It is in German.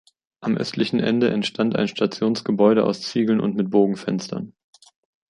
Am östlichen Ende entstand ein Stationsgebäude aus Ziegeln und mit Bogenfenstern.